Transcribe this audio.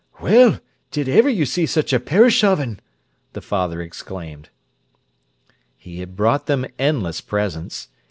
"Well, did iver you see such a parish oven!" the father exclaimed. He had brought them endless presents.